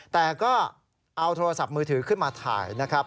แต่ก็เอาโทรศัพท์มือถือขึ้นมาถ่ายนะครับ